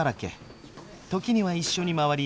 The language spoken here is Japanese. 時には一緒に回り